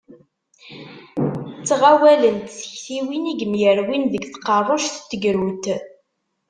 Ttɣawalent tektiwin i yemyerwin deg tqerruct n tegrudt.